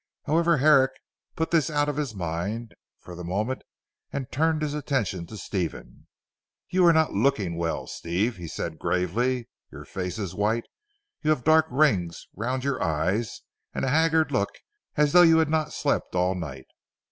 However Herrick put this out of his mind for the moment and turned his attention to Stephen. "You are not looking well Steve," he said gravely, "your face is white, you have dark rings round your eyes, and a haggard look as though you had not slept all night."